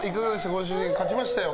ご主人、勝ちましたよ。